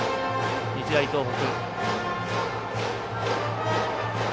日大東北。